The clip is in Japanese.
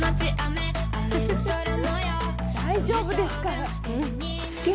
大丈夫ですから！